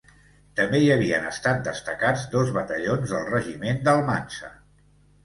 També hi havien estat destacats dos batallons del regiment d'Almansa.